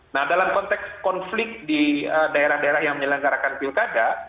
nah dalam konteks konflik di daerah daerah yang menyelenggarakan pilkada